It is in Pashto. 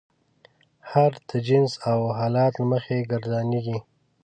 هر د جنس او حالت له مخې ګردانیږي.